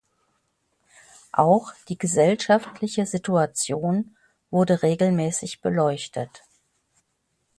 Auch die gesellschaftliche Situation wurde regelmäßig beleuchtet.